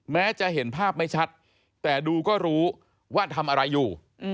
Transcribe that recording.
แม้จะเห็นภาพไม่ชัดแต่ดูก็รู้ว่าทำอะไรอยู่